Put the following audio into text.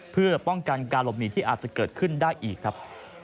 เพื่อป้องกันการหลบหนีที่อาจจะเกิดขึ้นได้อีกครับ